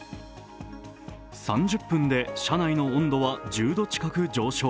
３０分で車内の温度は１０度近く上昇。